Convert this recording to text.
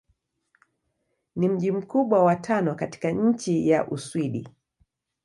Ni mji mkubwa wa tano katika nchi wa Uswidi.